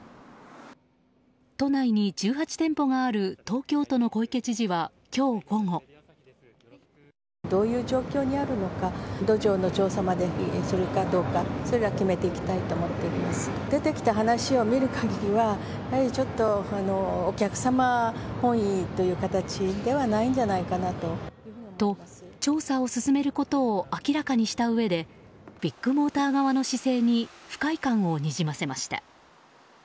都内に１８店舗がある東京都の小池知事は今日午後。と、調査を進めることを明らかにしたうえでビッグモーター側の姿勢に不快感をにじませました。